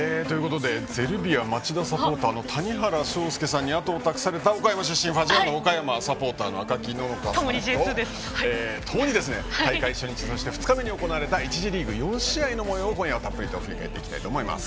ゼルビア町田サポーターの谷原章介さんにあとを託された岡山出身ファジアーノ岡山サポーターの赤木野々花さんと共に大会初日、２日目に行われた１次リーグ４試合のもようを振り返っていきます。